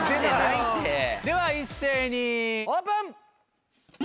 では一斉にオープン。